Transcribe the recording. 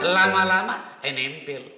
lama lama eh nempel